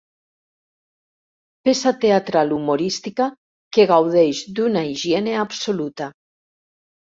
Peça teatral humorística que gaudeix d'una higiene absoluta.